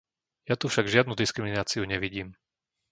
Ja tu však žiadnu diskrimináciu nevidím.